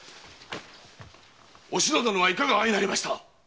おしの殿はいかが相成りました！